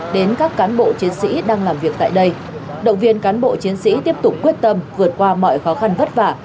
đến các cán bộ chiến sĩ đang làm việc tại đây động viên cán bộ chiến sĩ tiếp tục quyết tâm vượt qua mọi khó khăn vất vả